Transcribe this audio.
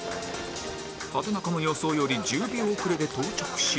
畠中の予想より１０秒遅れで到着し